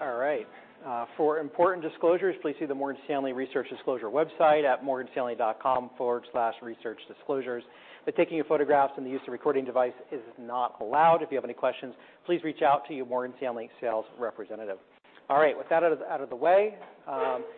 All right. For important disclosures, please see the Morgan Stanley Research Disclosure website at morganstanley.com/researchdisclosures. Taking of photographs and the use of recording device is not allowed. If you have any questions, please reach out to your Morgan Stanley sales representative. All right, with that out of the way,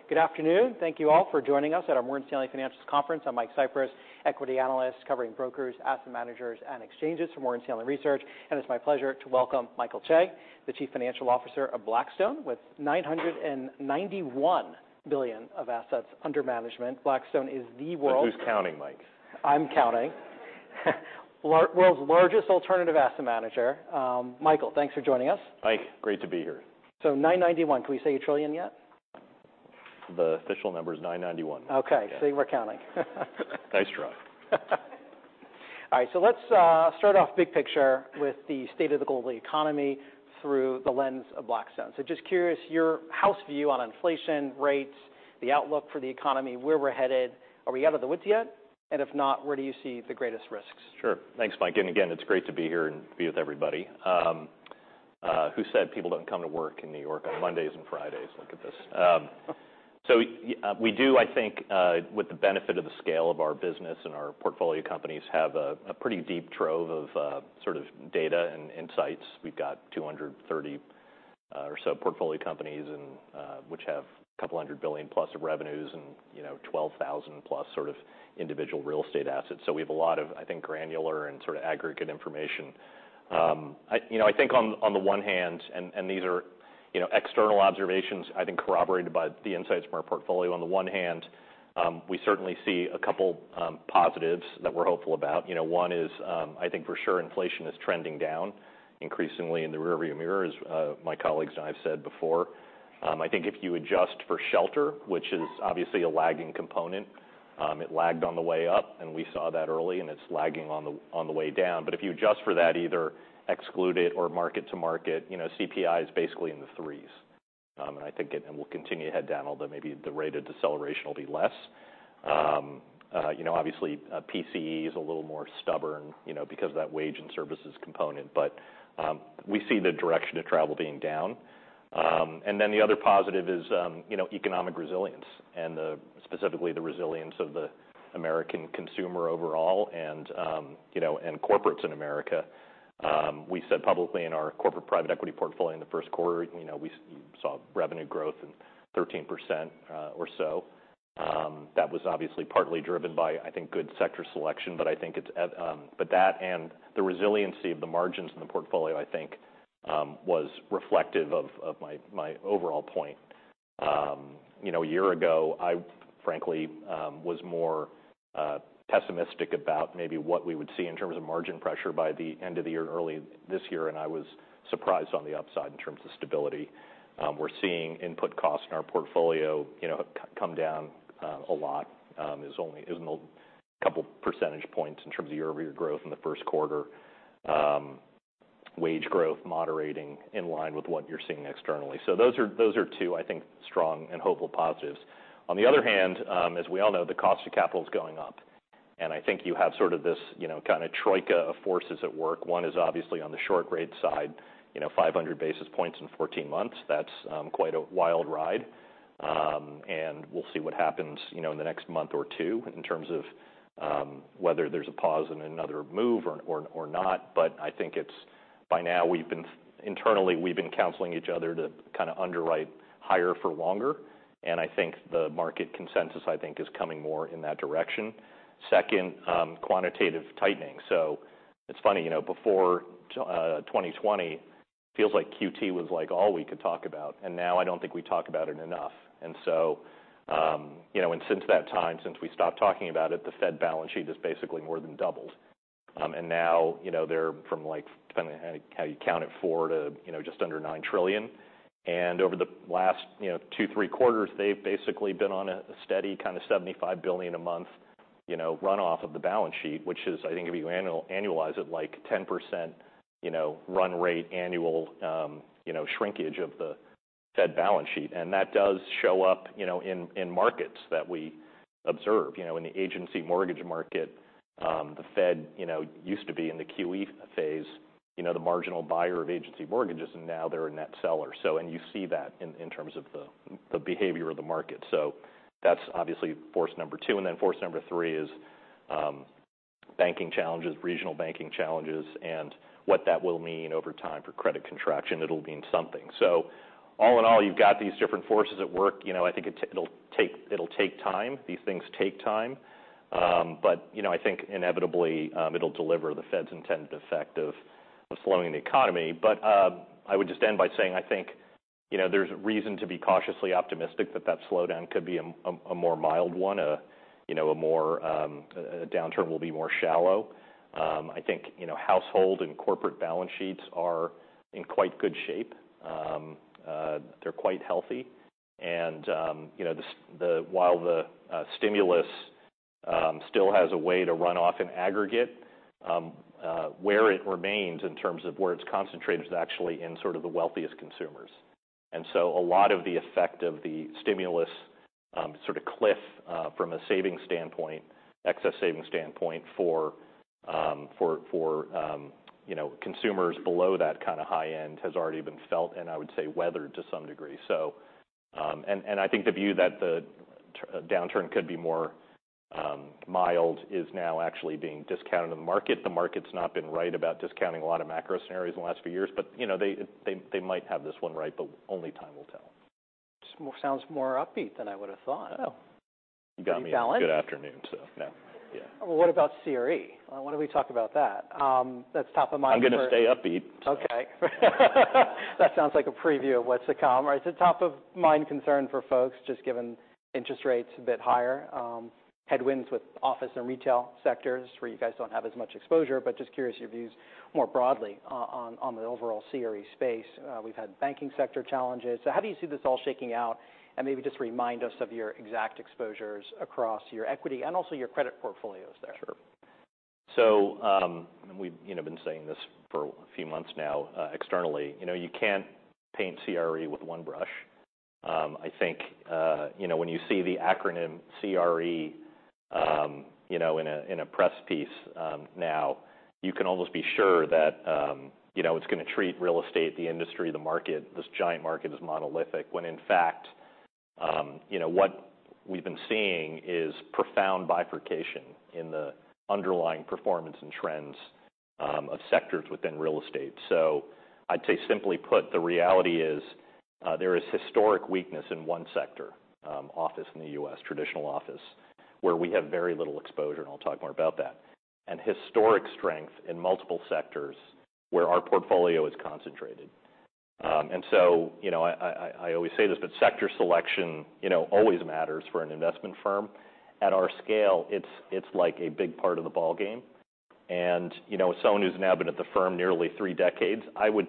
good afternoon. Thank you all for joining us at our Morgan Stanley Financials Conference. I'm Michael Cyprys, equity analyst, covering brokers, asset managers, and exchanges for Morgan Stanley Research. It's my pleasure to welcome Michael Chae, the Chief Financial Officer of Blackstone. With $991 billion of assets under management, Blackstone is the world- Who's counting, Mike? I'm counting. world's largest alternative asset manager. Michael, thanks for joining us. Mike, great to be here. $991. Can we say $1 trillion yet? The official number is 991. Okay. Yeah. You were counting. Nice try. All right, let's start off big picture with the state of the global economy through the lens of Blackstone. Just curious, your house view on inflation rates, the outlook for the economy, where we're headed? Are we out of the woods yet? If not, where do you see the greatest risks? Sure. Thanks, Mike. Again, it's great to be here and be with everybody. Who said people don't come to work in New York on Mondays and Fridays? Look at this. We do, I think, with the benefit of the scale of our business and our portfolio companies have a pretty deep trove of sort of data and insights. We've got 230 or so portfolio companies, which have $200 billion+ of revenues and, you know, 12,000+ sort of individual real estate assets. We have a lot of, I think, granular and sort of aggregate information. I, you know, I think on the one hand, these are, you know, external observations, I think corroborated by the insights from our portfolio. On the one hand, we certainly see a couple positives that we're hopeful about. You know, one is, I think for sure inflation is trending down increasingly in the rearview mirror, as my colleagues and I have said before. I think if you adjust for shelter, which is obviously a lagging component, it lagged on the way up, and we saw that early, and it's lagging on the way down. If you adjust for that, either exclude it or market to market, you know, CPI is basically in the threes. Will continue to head down, although maybe the rate of deceleration will be less. You know, obviously, PCE is a little more stubborn, you know, because of that wage and services component, but we see the direction of travel being down. The other positive is, you know, economic resilience and the, specifically the resilience of the American consumer overall and, you know, and corporates in America. We said publicly in our corporate private equity portfolio in the first quarter, you know, we saw revenue growth in 13%, or so. That was obviously partly driven by, I think, good sector selection. That and the resiliency of the margins in the portfolio, I think, was reflective of my overall point. You know, a year ago, I frankly, was more, pessimistic about maybe what we would see in terms of margin pressure by the end of the year, early this year, and I was surprised on the upside in terms of stability. We're seeing input costs in our portfolio, you know, come down a lot, is an old couple percentage points in terms of year-over-year growth in the first quarter. Wage growth moderating in line with what you're seeing externally. Those are two, I think, strong and hopeful positives. On the other hand, as we all know, the cost of capital is going up, and I think you have sort of this, you know, kind of troika of forces at work. One is obviously on the short rate side, you know, 500 basis points in 14 months. That's quite a wild ride. We'll see what happens, you know, in the next month or two in terms of whether there's a pause and another move or not. I think it's, by now, internally, we've been counseling each other to kind of underwrite higher for longer, and I think the market consensus, I think, is coming more in that direction. Second, quantitative tightening. It's funny, you know, before 2020, it feels like QT was, like, all we could talk about, and now I don't think we talk about it enough. You know, and since that time, since we stopped talking about it, the Fed balance sheet has basically more than doubled. Now, you know, they're from, like, depending on how you count it, $4 trillion to, you know, just under $9 trillion. Over the last, you know, two, three quarters, they've basically been on a steady kind of $75 billion a month, you know, runoff of the balance sheet, which is, I think, if you annualize it, like 10%, you know, run rate annual, you know, shrinkage of the Fed balance sheet. That does show up, you know, in markets that we observe. You know, in the agency mortgage market, the Fed, you know, used to be in the QE phase, you know, the marginal buyer of agency mortgages, and now they're a net seller. You see that in terms of the behavior of the market. That's obviously force number two. Force number three is banking challenges, regional banking challenges, and what that will mean over time for credit contraction. It'll mean something. All in all, you've got these different forces at work. You know, I think it'll take time. These things take time. You know, I think inevitably, it'll deliver the Fed's intended effect of slowing the economy. I would just end by saying, I think, you know, there's a reason to be cautiously optimistic that slowdown could be a more mild one. You know, a more, a downturn will be more shallow. I think, you know, household and corporate balance sheets are in quite good shape. They're quite healthy. You know, the while the stimulus, still has a way to run off in aggregate, where it remains in terms of where it's concentrated is actually in sort of the wealthiest consumers. A lot of the effect of the stimulus sort of cliff from a saving standpoint, excess saving standpoint for, you know, consumers below that kind of high end has already been felt, and I would say weathered to some degree. I think the view that the downturn could be more mild is now actually being discounted in the market. The market's not been right about discounting a lot of macro scenarios in the last few years, but, you know, they might have this one right, but only time will tell. It sounds more upbeat than I would have thought. Oh, you got me. Are you balanced? Good afternoon. no. Yeah. Well, what about CRE? Why don't we talk about that? That's top of mind. I'm gonna stay upbeat. Okay. That sounds like a preview of what's to come, right? It's a top of mind concern for folks, just given interest rates a bit higher, headwinds with office and retail sectors, where you guys don't have as much exposure, but just curious your views more broadly on the overall CRE space. We've had banking sector challenges. How do you see this all shaking out? Maybe just remind us of your exact exposures across your equity and also your credit portfolios there. Sure. We've, you know, been saying this for a few months now, externally, you know, you can't paint CRE with one brush. I think, you know, when you see the acronym CRE, you know, in a press piece, now, you can almost be sure that, you know, it's gonna treat real estate, the industry, the market, this giant market, as monolithic, when in fact, you know, what we've been seeing is profound bifurcation in the underlying performance and trends, of sectors within real estate. I'd say, simply put, the reality is, there is historic weakness in one sector, office in the U.S., traditional office, where we have very little exposure, and I'll talk more about that. Historic strength in multiple sectors where our portfolio is concentrated. You know, I always say this, but sector selection, you know, always matters for an investment firm. At our scale, it's like a big part of the ballgame. You know, as someone who's now been at the firm nearly three decades, I would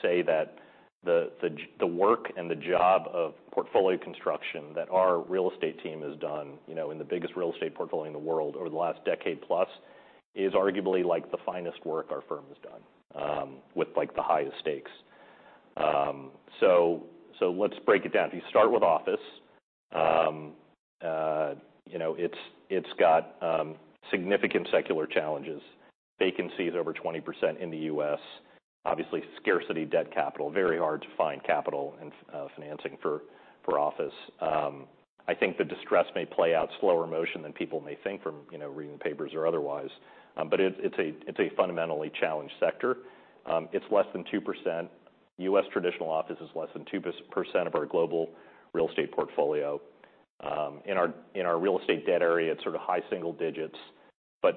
say that the work and the job of portfolio construction that our real estate team has done, you know, in the biggest real estate portfolio in the world over the last decade plus, is arguably like the finest work our firm has done, with, like, the highest stakes. Let's break it down. If you start with office, you know, it's got significant secular challenges. Vacancy is over 20% in the U.S. Obviously, scarcity, debt, capital, very hard to find capital and financing for office. I think the distress may play out slower motion than people may think from, you know, reading the papers or otherwise. It's a fundamentally challenged sector. It's less than 2%. U.S. traditional office is less than 2% of our global real estate portfolio. In our real estate debt area, it's sort of high single digits,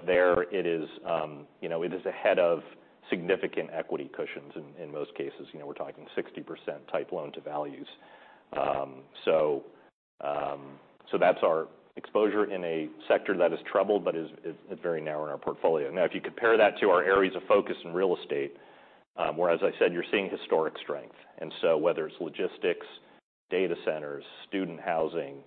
there it is, you know, it is ahead of significant equity cushions in most cases. You know, we're talking 60% type loan to values. That's our exposure in a sector that is troubled but is very narrow in our portfolio. If you compare that to our areas of focus in real estate, where, as I said, you're seeing historic strength. Whether it's logistics, data centers, student housing,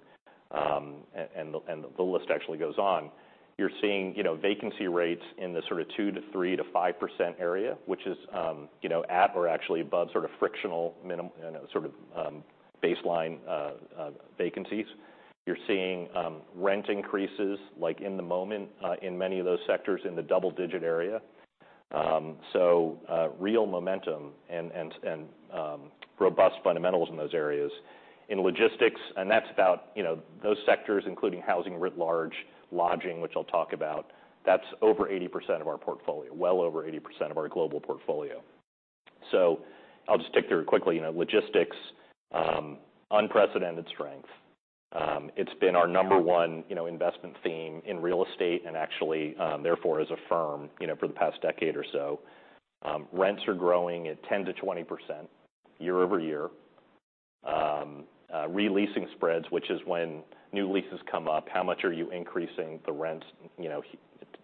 and the list actually goes on, you're seeing, you know, vacancy rates in the sort of 2%-3%-5% area, which is, you know, at or actually above sort of frictional baseline vacancies. You're seeing rent increases like in the moment in many of those sectors in the double-digit area. Real momentum and robust fundamentals in those areas. In logistics, that's about, you know, those sectors, including housing, writ large, lodging, which I'll talk about, that's over 80% of our portfolio, well over 80% of our global portfolio. I'll just tick through it quickly. You know, logistics, unprecedented strength. It's been our number one, you know, investment theme in real estate and actually, therefore, as a firm, you know, for the past decade or so. Rents are growing at 10%-20% year-over-year. Releasing spreads, which is when new leases come up, how much are you increasing the rents, you know,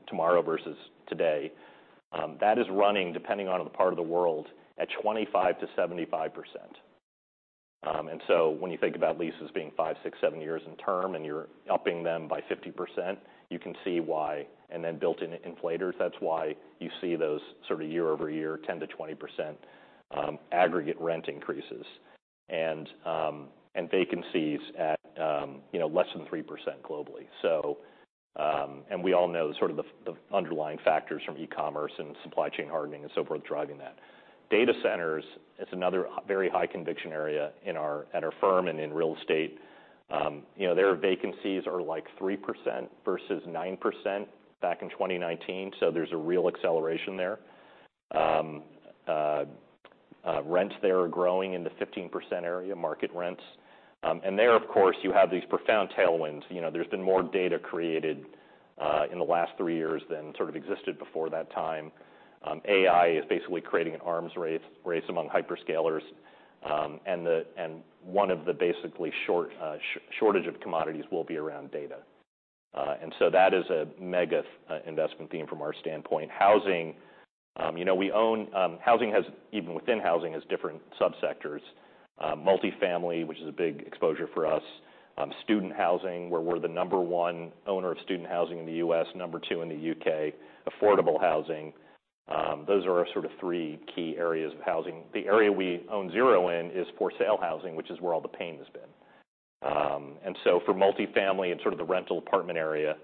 tomorrow versus today? That is running, depending on the part of the world, at 25%-75%. When you think about leases being five, six, seven years in term, and you're upping them by 50%, you can see why. Built in inflators, that's why you see those sort of year-over-year, 10%-20% aggregate rent increases, and vacancies at, you know, less than 3% globally. We all know sort of the underlying factors from e-commerce and supply chain hardening and so forth, driving that. Data centers, it's another very high conviction area at our firm and in real estate. You know, their vacancies are like 3% versus 9% back in 2019, so there's a real acceleration there. Rents there are growing in the 15% area, market rents. There, of course, you have these profound tailwinds. You know, there's been more data created in the last three years than sort of existed before that time. AI is basically creating an arms race among hyperscalers. One of the basically shortage of commodities will be around data. That is a mega investment theme from our standpoint. Housing, you know, we own, housing has, even within housing, has different subsectors. Multifamily, which is a big exposure for us, student housing, where we're the number one owner of student housing in the U.S., number two in the U.K., affordable housing, those are our sort of three key areas of housing. The area we own zero in is for sale housing, which is where all the pain has been. For multifamily and sort of the rental apartment area,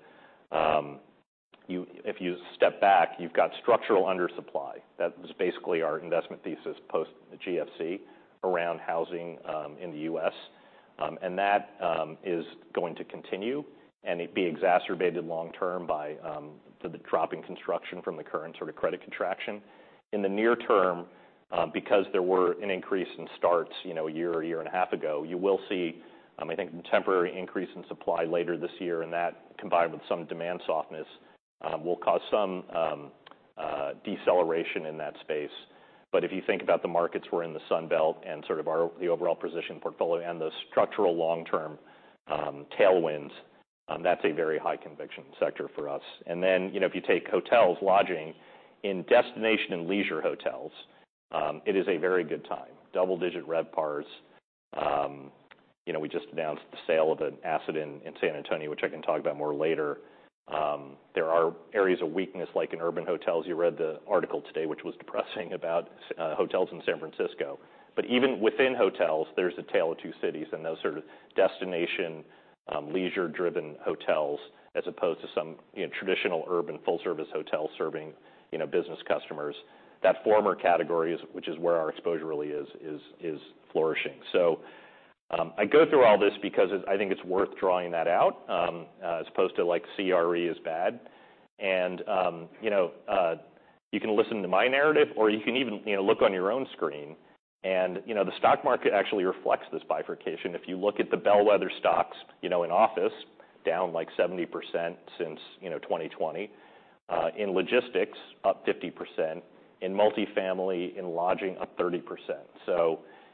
if you step back, you've got structural undersupply. That is basically our investment thesis post GFC around housing in the U.S. That is going to continue, and it'd be exacerbated long term by the drop in construction from the current sort of credit contraction. In the near term, because there were an increase in starts, you know, a year or a year and a half ago, you will see, I think, temporary increase in supply later this year, and that, combined with some demand softness, will cause some deceleration in that space. If you think about the markets, we're in the Sun Belt and sort of the overall position portfolio and the structural long-term tailwinds, that's a very high conviction sector for us. You know, if you take hotels, lodging, in destination and leisure hotels, it is a very good time. Double-digit RevPARs. You know, we just announced the sale of an asset in San Antonio, which I can talk about more later. There are areas of weakness, like in urban hotels. You read the article today, which was depressing about hotels in San Francisco. Even within hotels, there's a tale of two cities and those sort of destination, leisure-driven hotels, as opposed to some, you know, traditional urban, full-service hotels serving, you know, business customers. That former category, is, which is where our exposure really is, flourishing. I go through all this because I think it's worth drawing that out, as opposed to, like, CRE is bad. You know, you can listen to my narrative, or you can even, you know, look on your own screen. You know, the stock market actually reflects this bifurcation. If you look at the bellwether stocks, you know, in office, down, like, 70% since, you know, 2020. In logistics, up 50%. In multifamily, in lodging, up 30%.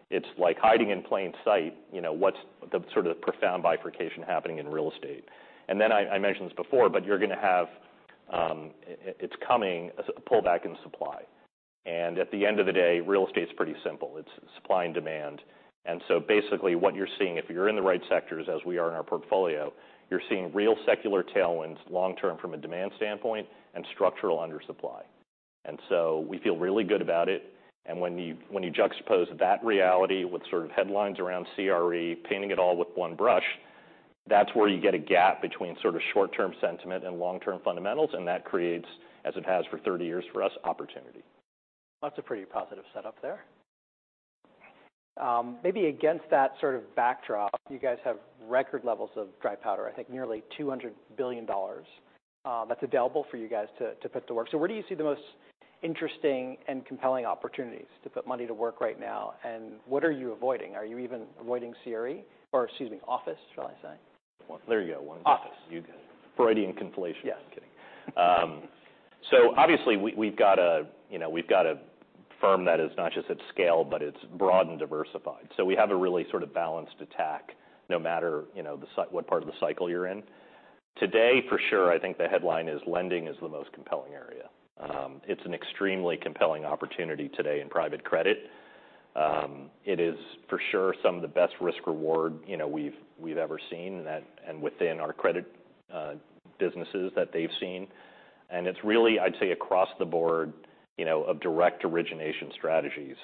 It's like hiding in plain sight, you know, what's the sort of profound bifurcation happening in real estate. I mentioned this before, but you're gonna have, it's coming, a pullback in supply. At the end of the day, real estate is pretty simple: it's supply and demand. Basically, what you're seeing, if you're in the right sectors, as we are in our portfolio, you're seeing real secular tailwinds long term from a demand standpoint and structural undersupply. We feel really good about it. When you juxtapose that reality with sort of headlines around CRE, painting it all with one brush, that's where you get a gap between sort of short-term sentiment and long-term fundamentals, and that creates, as it has for 30 years for us, opportunity. That's a pretty positive setup there. Maybe against that sort of backdrop, you guys have record levels of dry powder, I think nearly $200 billion, that's available for you guys to put to work. Where do you see the most interesting and compelling opportunities to put money to work right now? What are you avoiding? Are you even avoiding CRE, or excuse me, office, shall I say? Well, there you go. Office. You got Freudian conflation. Yeah. I'm kidding. Obviously, we've got a, you know, we've got a firm that is not just at scale, but it's broad and diversified. We have a really sort of balanced attack, no matter, you know, what part of the cycle you're in. Today, for sure, I think the headline is: lending is the most compelling area. It's an extremely compelling opportunity today in private credit. It is for sure some of the best risk-reward, you know, we've ever seen, that. Within our credit businesses that they've seen. It's really, I'd say, across the board, you know, of direct origination strategies.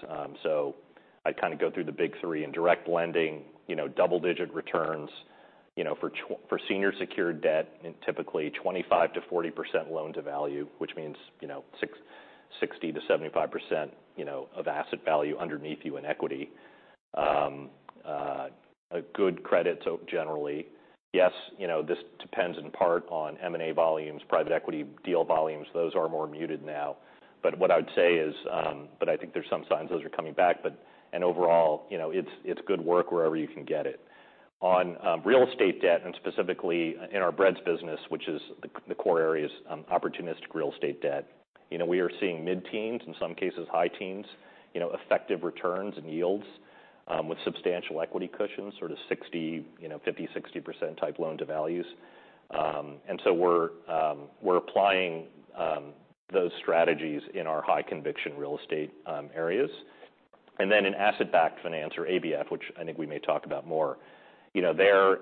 I kind of go through the big three. In direct lending, you know, double-digit returns, you know, for senior secured debt, typically 25%-40% loan-to-value, which means, you know, 60%-75%, you know, of asset value underneath you in equity. A good credit, generally, yes, you know, this depends in part on M&A volumes, private equity deal volumes. Those are more muted now. What I would say is, I think there's some signs those are coming back, and overall, you know, it's good work wherever you can get it. On real estate debt, specifically in our BREDS business, which is the core areas, opportunistic real estate debt. You know, we are seeing mid-teens, in some cases, high teens, you know, effective returns and yields, with substantial equity cushions, sort of 60, you know, 50%-60% type loan-to-values. We're applying those strategies in our high conviction real estate areas. In asset-backed finance or ABF, which I think we may talk about more, you know, there,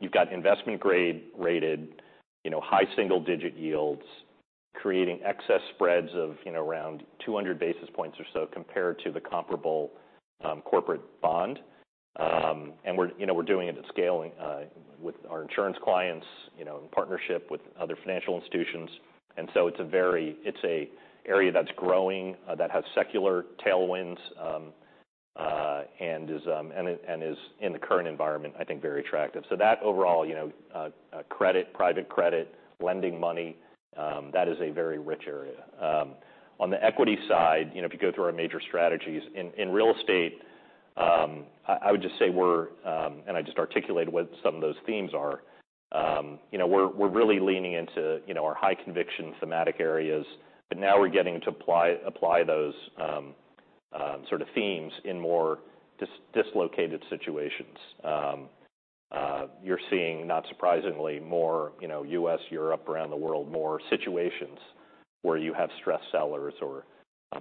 you've got investment-grade rated, you know, high single-digit yields, creating excess spreads of, you know, around 200 basis points or so, compared to the comparable corporate bond. We're, you know, we're doing it at scale, with our insurance clients, you know, in partnership with other financial institutions. It's a, area that's growing, that has secular tailwinds, and is, in the current environment, I think, very attractive. That overall, you know, credit, private credit, lending money, that is a very rich area. On the equity side, you know, if you go through our major strategies in real estate, I would just say we're. I just articulated what some of those themes are. You know, we're really leaning into, you know, our high conviction thematic areas, but now we're getting to apply those, sort of themes in more dislocated situations. You're seeing, not surprisingly, more, you know, U.S., Europe, around the world, more situations where you have stressed sellers or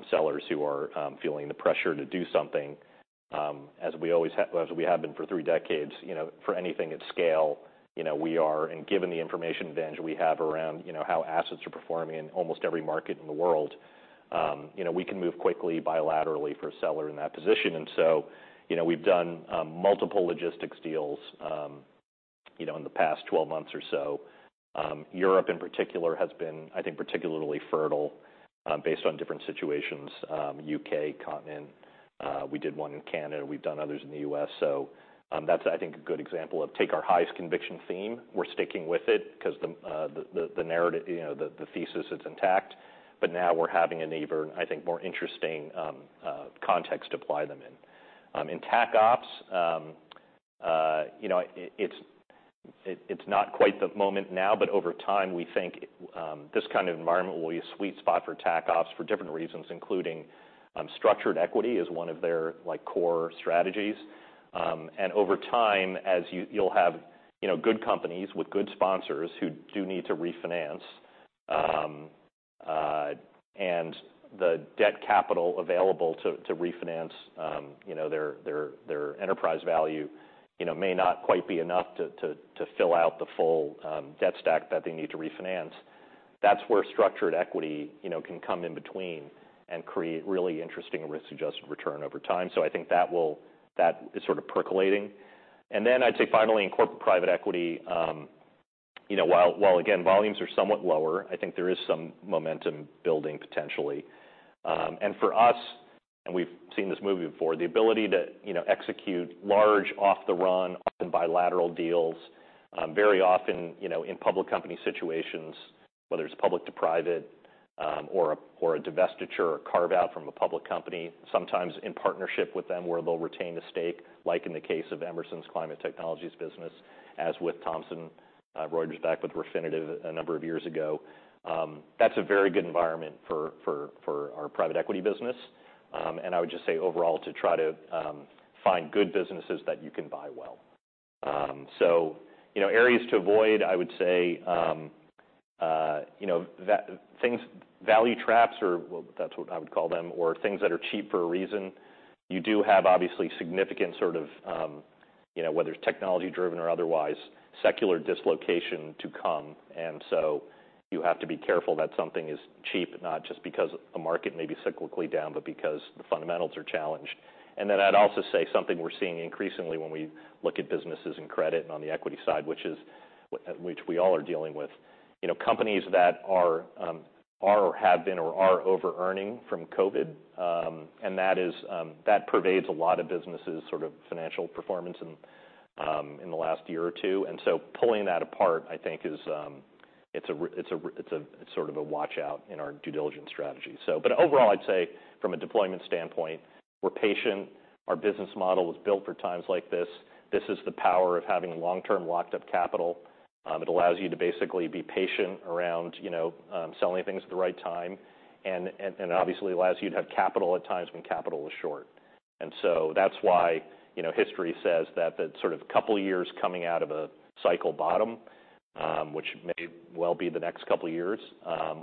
sellers who are feeling the pressure to do something, as we always have, as we have been for three decades, you know, for anything at scale, you know. Given the information advantage we have around, you know, how assets are performing in almost every market in the world, you know, we can move quickly bilaterally for a seller in that position. You know, we've done multiple logistics deals, you know, in the past 12 months or so. Europe in particular has been, I think, particularly fertile, based on different situations, U.K., continent. We did 1 in Canada, we've done others in the U.S. That's, I think, a good example of take our highest conviction theme. We're sticking with it 'cause the, the, narrative, you know, the thesis, it's intact, but now we're having a neighbor, and I think, more interesting, context to apply them in. In Tac Opps, you know, it's, it's not quite the moment now, but over time, we think, this kind of environment will be a sweet spot for Tac Opps for different reasons, including, structured equity is one of their, like, core strategies. Over time, as you'll have, you know, good companies with good sponsors who do need to refinance, and the debt capital available to refinance, you know, their enterprise value, you know, may not quite be enough to fill out the full debt stack that they need to refinance. That's where structured equity, you know, can come in between and create really interesting risk-adjusted return over time. I think that is sort of percolating. Then I'd say finally, in corporate private equity, you know, while again, volumes are somewhat lower, I think there is some momentum building potentially. For us, and we've seen this movie before, the ability to, you know, execute large off-the-run, often bilateral deals, very often, you know, in public company situations, whether it's public to private, or a divestiture or carve out from a public company, sometimes in partnership with them, where they'll retain a stake, like in the case of Emerson's Climate Technologies business, as with Thomson Reuters back with Refinitiv a number of years ago. That's a very good environment for our private equity business. I would just say overall, to try to find good businesses that you can buy well. You know, areas to avoid, I would say, you know, value traps or well, that's what I would call them, or things that are cheap for a reason. You do have, obviously, significant sort of, you know, whether it's technology-driven or otherwise, secular dislocation to come, and so you have to be careful that something is cheap, not just because the market may be cyclically down, but because the fundamentals are challenged. I'd also say something we're seeing increasingly when we look at businesses and credit on the equity side, which is, which we all are dealing with, you know, companies that are or have been or are overearning from COVID, and that is that pervades a lot of businesses' sort of financial performance in the last year or two. Pulling that apart, I think is, it's a sort of a watch-out in our due diligence strategy. Overall, I'd say from a deployment standpoint, we're patient. Our business model was built for times like this. This is the power of having long-term locked-up capital. It allows you to basically be patient around, you know, selling things at the right time. Obviously, allows you to have capital at times when capital is short. That's why, you know, history says that the sort of couple of years coming out of a cycle bottom, which may well be the next couple of years,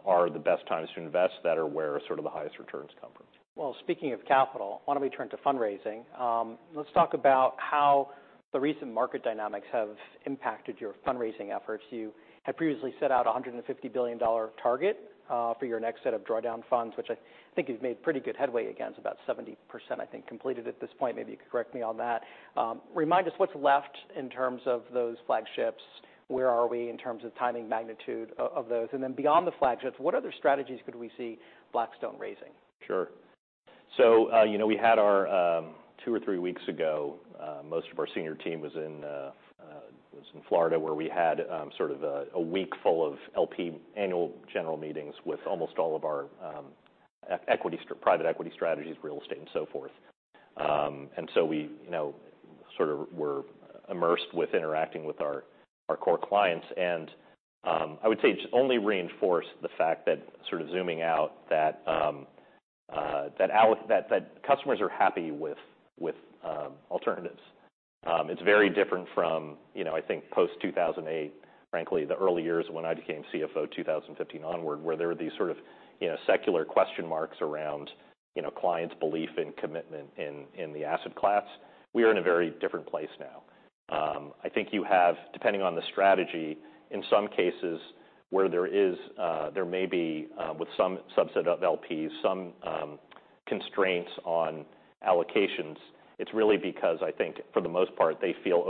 are the best times to invest, that are where sort of the highest returns come from. Well, speaking of capital, why don't we turn to fundraising? Let's talk about how the recent market dynamics have impacted your fundraising efforts. You had previously set out a $150 billion target for your next set of drawdown funds, which I think you've made pretty good headway against, about 70%, I think, completed at this point. Maybe you could correct me on that. Remind us what's left in terms of those flagships. Where are we in terms of timing, magnitude of those? Beyond the flagships, what other strategies could we see Blackstone raising? Sure. You know, we had our, two or three weeks ago, most of our senior team was in Florida, where we had sort of a week full of LP annual general meetings with almost all of our equity, private equity strategies, real estate, and so forth. We, you know, sort of were immersed with interacting with our core clients. I would say it only reinforced the fact that sort of zooming out, that customers are happy with alternatives. It's very different from, you know, I think post 2008, frankly, the early years when I became CFO, 2015 onward, where there were these sort of, you know, secular question marks around, you know, clients' belief and commitment in the asset class. We are in a very different place now. I think you have, depending on the strategy, in some cases where there is, there may be, with some subset of LPs, some constraints on allocations. It's really because I think for the most part, they feel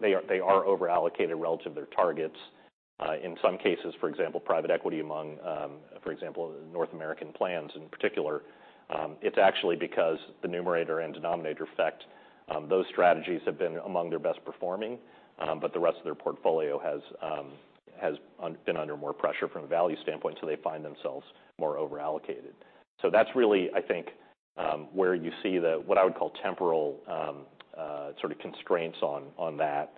they are overallocated relative to their targets. In some cases, for example, private equity among, for example, North American plans in particular, it's actually because the numerator and denominator effect, those strategies have been among their best performing, but the rest of their portfolio has been under more pressure from a value standpoint, so they find themselves more overallocated. That's really, I think, where you see the, what I would call temporal, sort of constraints on that.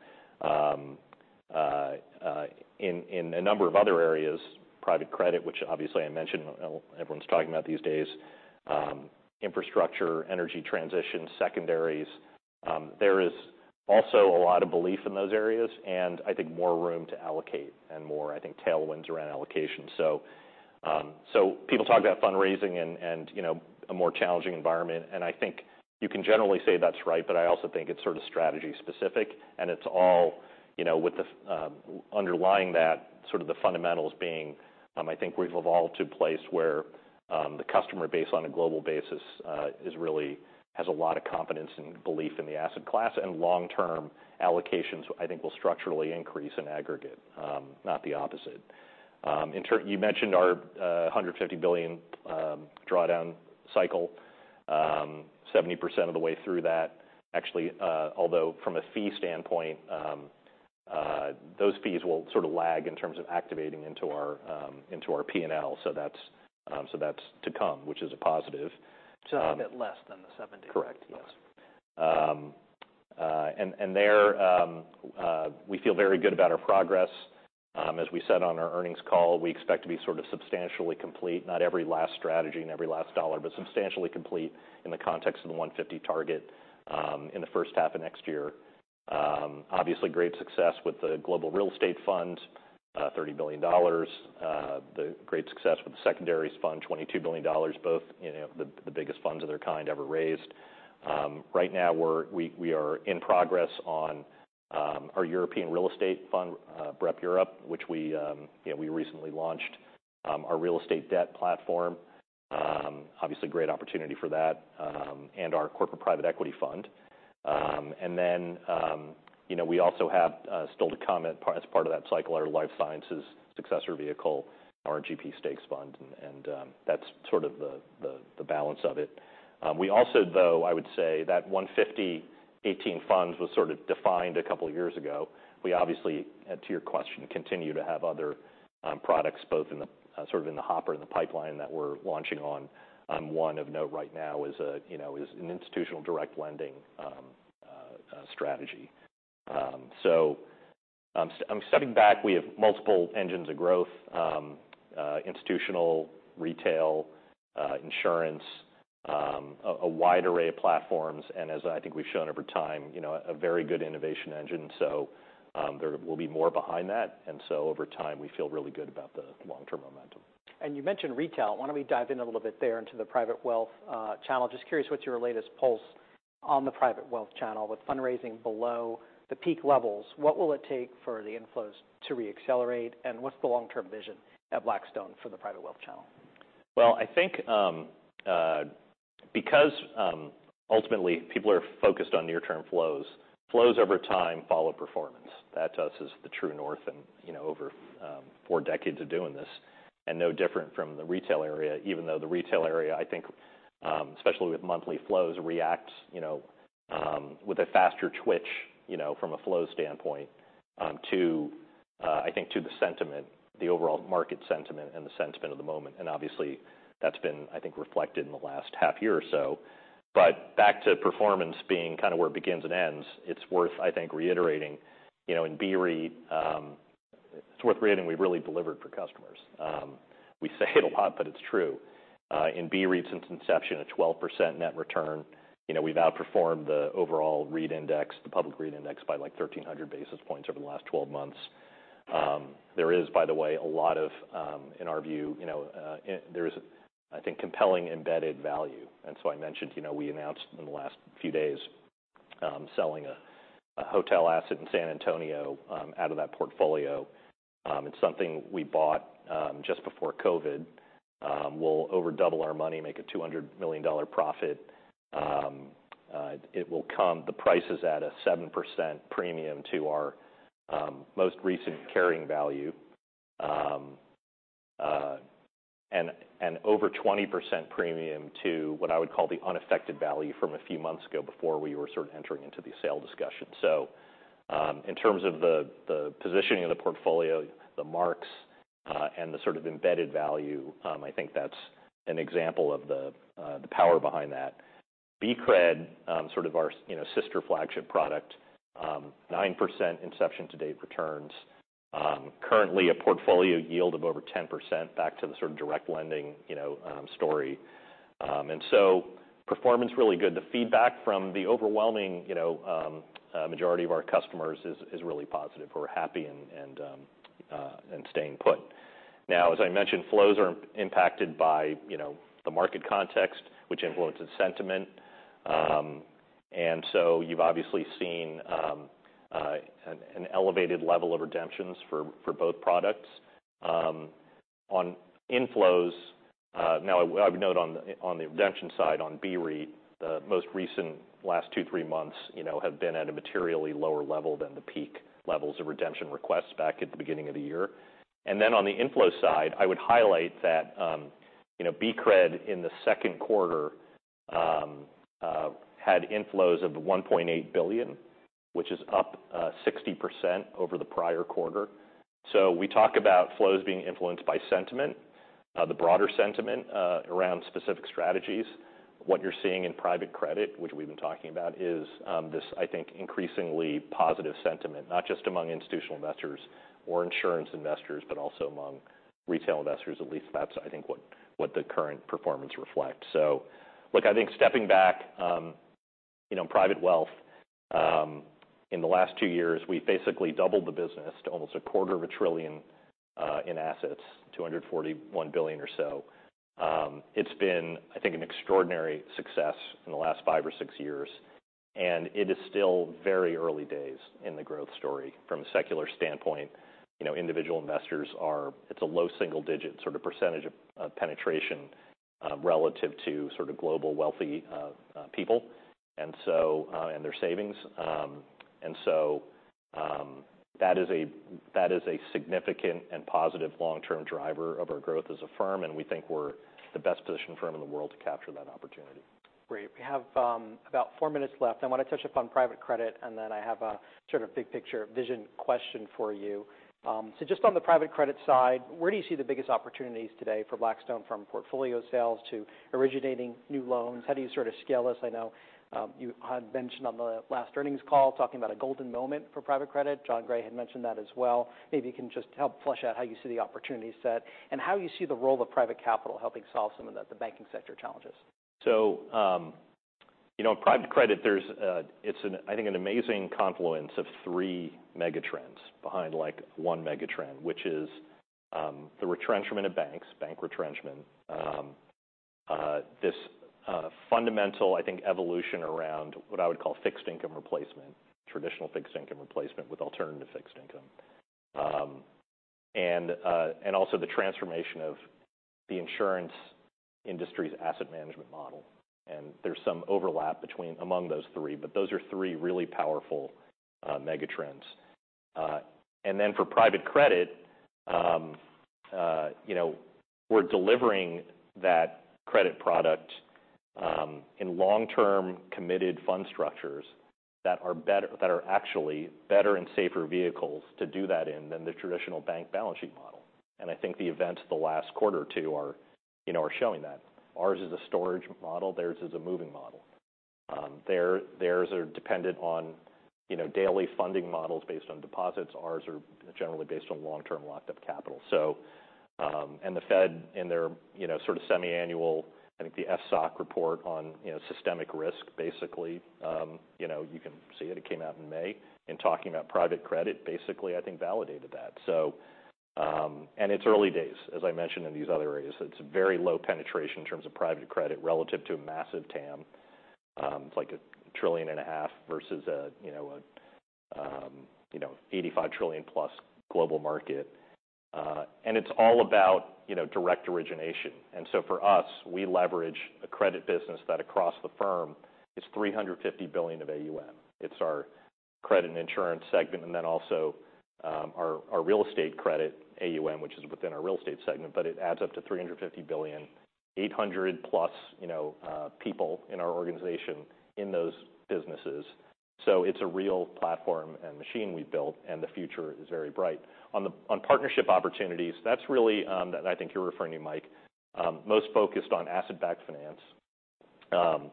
In a number of other areas, private credit, which obviously I mentioned, everyone's talking about these days, infrastructure, energy transition, secondaries. There is also a lot of belief in those areas, and I think more room to allocate and more, I think, tailwinds around allocation. People talk about fundraising and, you know, a more challenging environment, and I think you can generally say that's right. I also think it's sort of strategy specific, and it's all, you know, with the underlying that sort of the fundamentals being, I think we've evolved to a place where the customer base on a global basis, has a lot of confidence and belief in the asset class, and long-term allocations, I think, will structurally increase in aggregate, not the opposite. In turn, you mentioned our $150 billion drawdown cycle, 70% of the way through that. Actually, although from a fee standpoint, those fees will sort of lag in terms of activating into our P&L. That's to come, which is a positive. A bit less than the 70%, correct? Correct, yes. There, we feel very good about our progress. As we said on our earnings call, we expect to be sort of substantially complete, not every last strategy and every last dollar, but substantially complete in the context of the 150 target in the first half of next year. Obviously, great success with the Global Real Estate Fund, $30 billion. The great success with the secondaries fund, $22 billion, both, you know, the biggest funds of their kind ever raised. Right now, we are in progress on our European Real Estate Fund, BREP Europe, which we, you know, we recently launched our real estate debt platform. Obviously, great opportunity for that, and our corporate private equity fund. You know, we also have still to come as part of that cycle, our life sciences successor vehicle, our GP Stakes fund, and that's sort of the balance of it. We also, though, I would say that 150, 18 funds was sort of defined a couple of years ago. We obviously, to your question, continue to have other products, both in the sort of in the hopper, in the pipeline that we're launching on. One of note right now is a, you know, is an institutional direct lending strategy. Stepping back, we have multiple engines of growth, institutional, retail, insurance, a wide array of platforms, and as I think we've shown over time, you know, a very good innovation engine. There will be more behind that. Over time, we feel really good about the long-term momentum. You mentioned retail. Why don't we dive in a little bit there into the private wealth channel? Just curious, what's your latest pulse on the private wealth channel? With fundraising below the peak levels, what will it take for the inflows to reaccelerate, and what's the long-term vision at Blackstone for the private wealth channel? Well, I think, because, ultimately people are focused on near-term flows over time follow performance. That to us is the true north and, you know, over four decades of doing this, and no different from the retail area, even though the retail area, I think, especially with monthly flows, reacts, you know, with a faster twitch, you know, from a flow standpoint, to, I think to the sentiment, the overall market sentiment and the sentiment of the moment. Obviously, that's been, I think, reflected in the last half year or so. Back to performance being kind of where it begins and ends, it's worth, I think, reiterating, you know, in BREIT, it's worth reiterating we've really delivered for customers. We say it a lot, but it's true. In BREIT, since inception, a 12% net return. You know, we've outperformed the overall REIT index, the public REIT index, by, like, 1,300 basis points over the last 12 months. There is, by the way, a lot of, in our view, you know, there is, I think, compelling embedded value. I mentioned, you know, we announced in the last few days, selling a hotel asset in San Antonio out of that portfolio. It's something we bought just before COVID. We'll over double our money, make a $200 million profit. The price is at a 7% premium to our most recent carrying value, and over 20% premium to what I would call the unaffected value from a few months ago before we were sort of entering into the sale discussion. In terms of the positioning of the portfolio, the marks, and the sort of embedded value, I think that's an example of the power behind that BCRED, sort of our, you know, sister flagship product, 9% inception to date returns. Currently, a portfolio yield of over 10% back to the sort of direct lending, you know, story. Performance really good. The feedback from the overwhelming, you know, majority of our customers is really positive. We're happy and staying put. Now, as I mentioned, flows are impacted by, you know, the market context, which influences sentiment. You've obviously seen an elevated level of redemptions for both products. On inflows, now I would note on the, on the redemption side, on BREIT, the most recent last two, three months, you know, have been at a materially lower level than the peak levels of redemption requests back at the beginning of the year. On the inflow side, I would highlight that, you know, BCRED, in the second quarter, had inflows of $1.8 billion, which is up 60% over the prior quarter. We talk about flows being influenced by sentiment, the broader sentiment, around specific strategies. What you're seeing in private credit, which we've been talking about, is, this, I think, increasingly positive sentiment, not just among institutional investors or insurance investors, but also among retail investors. At least that's, I think, what the current performance reflects. Look, I think stepping back. You know, private wealth, in the last two years, we've basically doubled the business to almost a quarter of a trillion in assets, $241 billion or so. It's been, I think, an extraordinary success in the last five or six years, and it is still very early days in the growth story from a secular standpoint. You know, individual investors, it's a low single-digit sort of percentage of penetration relative to sort of global wealthy people and their savings. That is a significant and positive long-term driver of our growth as a firm, and we think we're the best-positioned firm in the world to capture that opportunity. Great. We have about four minutes left. I want to touch upon private credit, then I have a sort of big picture vision question for you. Just on the private credit side, where do you see the biggest opportunities today for Blackstone, from portfolio sales to originating new loans? How do you sort of scale this? I know you had mentioned on the last earnings call, talking about a golden moment for private credit. Jon Gray had mentioned that as well. Maybe you can just help flesh out how you see the opportunity set and how you see the role of private capital helping solve some of the banking sector challenges. You know, in private credit, I think, an amazing confluence of three megatrends behind, like, one megatrend, which is the retrenchment of banks, bank retrenchment. This fundamental, I think, evolution around what I would call fixed income replacement, traditional fixed income replacement with alternative fixed income. Also the transformation of the insurance industry's asset management model. There's some overlap among those three, but those are three really powerful megatrends. Then for private credit, you know, we're delivering that credit product in long-term, committed fund structures that are actually better and safer vehicles to do that in than the traditional bank balance sheet model. I think the events of the last quarter or two are, you know, showing that. Ours is a storage model, theirs is a moving model. Theirs are dependent on, you know, daily funding models based on deposits. Ours are generally based on long-term locked-up capital. The Fed, in their, you know, sort of semi-annual, I think, the FSOC report on, you know, systemic risk, basically, you know, you can see it came out in May, in talking about private credit, basically, I think, validated that. It's early days, as I mentioned in these other areas. It's very low penetration in terms of private credit relative to a massive TAM. It's like a trillion and a half versus a, you know, you know, 85 trillion+ global market. It's all about, you know, direct origination. For us, we leverage a credit business that across the firm is $350 billion of AUM. It's our credit and insurance segment, then also, our real estate credit, AUM, which is within our real estate segment, but it adds up to $350 billion, 800+ you know, people in our organization in those businesses. It's a real platform and machine we've built, the future is very bright. On partnership opportunities, that's really, and I think you're referring to, Mike, most focused on asset-backed finance.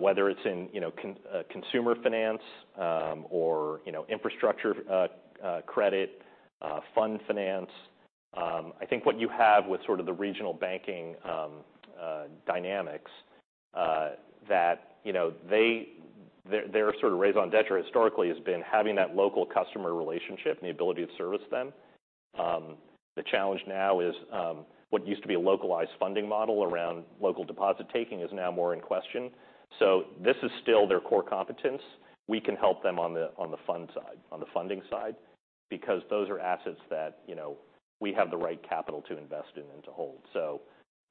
Whether it's in, you know, consumer finance, or, you know, infrastructure, credit, fund finance, I think what you have with sort of the regional banking dynamics, that, you know, their sort of raison d'être historically, has been having that local customer relationship and the ability to service them. The challenge now is, what used to be a localized funding model around local deposit taking is now more in question. This is still their core competence. We can help them on the, on the fund side, on the funding side, because those are assets that, you know, we have the right capital to invest in and to hold.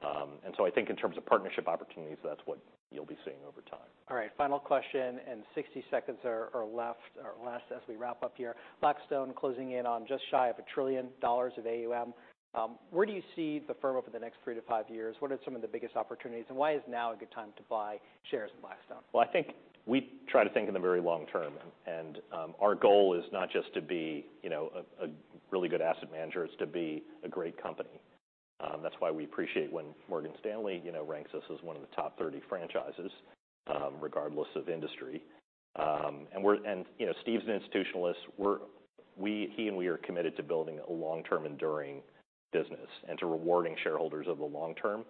I think in terms of partnership opportunities, that's what you'll be seeing over time. All right, final question, and 60 seconds are left, or last as we wrap up here. Blackstone closing in on just shy of $1 trillion of AUM. Where do you see the firm over the next three to 5 years? What are some of the biggest opportunities, and why is now a good time to buy shares in Blackstone? Well, I think we try to think in the very long term, and our goal is not just to be, you know, a really good asset manager, it's to be a great company. That's why we appreciate when Morgan Stanley, you know, ranks us as one of the top 30 franchises, regardless of industry. You know, Steve's an institutionalist. We're, he and we are committed to building a long-term, enduring business and to rewarding shareholders over the long term.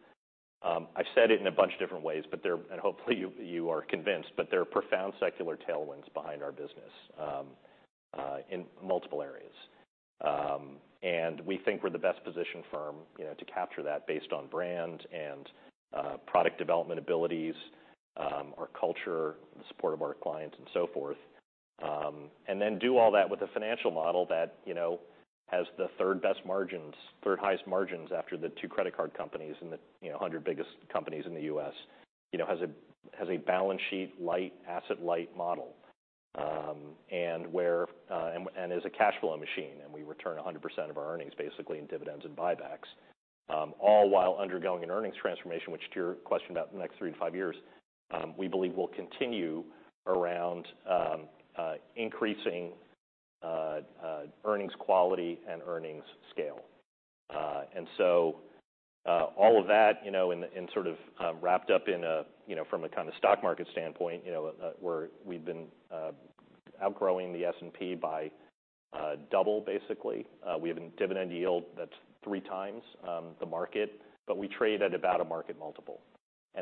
I've said it in a bunch of different ways, but there and hopefully you are convinced, but there are profound secular tailwinds behind our business, in multiple areas. We think we're the best-positioned firm, you know, to capture that based on brand and product development abilities, our culture, the support of our clients, and so forth. Do all that with a financial model that, you know, has the third-best margins, third highest margins after the two credit card companies in the, you know, 100 biggest companies in the U.S. You know, has a balance sheet light, asset light model, and is a cash flow machine, and we return 100% of our earnings, basically in dividends and buybacks. All while undergoing an earnings transformation, which, to your question, about the next three to five years, we believe will continue around increasing earnings quality and earnings scale. All of that, you know, in, and sort of, wrapped up in a, you know, from a kind of stock market standpoint, you know, we've been outgrowing the S&P by double, basically. We have a dividend yield that's three times the market, but we trade at about a market multiple.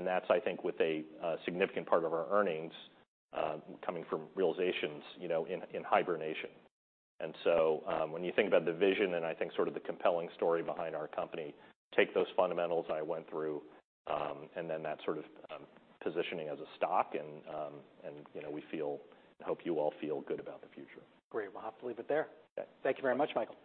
That's, I think, with a significant part of our earnings, coming from realizations, you know, in hibernation. When you think about the vision and I think sort of the compelling story behind our company, take those fundamentals I went through, and then that sort of, positioning as a stock, and, you know, we feel and hope you all feel good about the future. Great. We'll have to leave it there. Okay. Thank you very much, Michael.